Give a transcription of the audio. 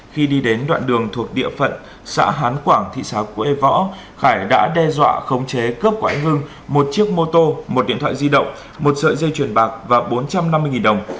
khi đi đến đoạn đường thuộc địa phận xã hán quảng thị xã quế võ khải đã đe dọa khống chế cướp của anh hưng một chiếc mô tô một điện thoại di động một sợi dây chuyền bạc và bốn trăm năm mươi đồng